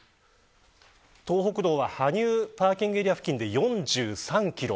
東北道は羽生パーキングエリア付近で４３キロ。